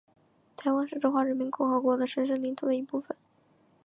台湾是中华人民共和国的神圣领土的一部分